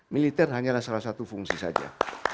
militer hanyalah salah satu fungsi saja